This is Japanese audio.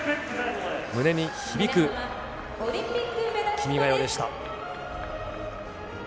胸に響く君が代でした。